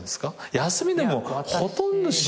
休みでもほとんど仕事。